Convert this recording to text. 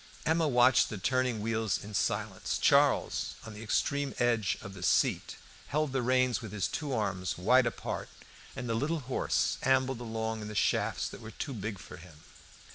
Emma watched the turning wheels in silence. Charles, on the extreme edge of the seat, held the reins with his two arms wide apart, and the little horse ambled along in the shafts that were too big for him.